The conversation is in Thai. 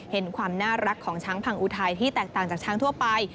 เห็นความน่ารักของช้างพังอุทัยที่แตกต่างจากช้างทั่วไป